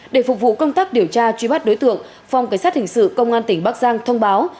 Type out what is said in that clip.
để phục vụ công tác điều tra truy bắt đối tượng phòng cảnh sát hình sự công an tỉnh bắc giang thông báo